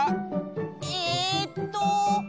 えっと。